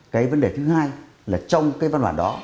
cái vấn đề thứ hai là trong cái văn hoàn đó